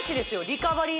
リカバリー